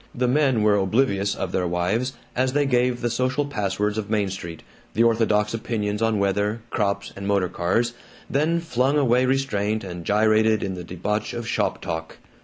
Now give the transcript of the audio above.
The men were oblivious of their wives as they gave the social passwords of Main Street, the orthodox opinions on weather, crops, and motor cars, then flung away restraint and gyrated in the debauch of shop talk.